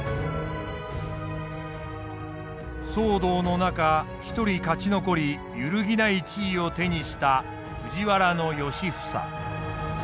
騒動の中一人勝ち残り揺るぎない地位を手にした藤原良房。